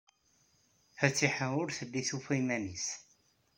Fatiḥa ur telli tufa iman-nnes.